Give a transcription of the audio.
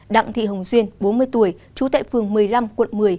đặng thị hồng duyên bốn mươi tuổi trú tại phường một mươi năm quận một mươi